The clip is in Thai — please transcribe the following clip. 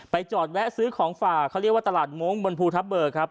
จอดแวะซื้อของฝากเขาเรียกว่าตลาดมงค์บนภูทับเบิกครับ